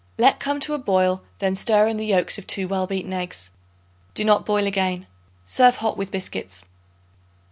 Let come to a boil; then stir in the yolks of 2 well beaten eggs. Do not boil again. Serve hot with biscuits.